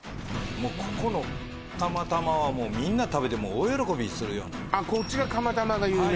もうここの釜玉はみんな食べて大喜びするようなあっこっちが釜玉が有名？